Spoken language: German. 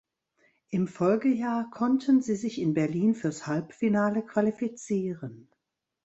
Im Folgejahr konnten sie sich in Berlin fürs Halbfinale qualifizieren.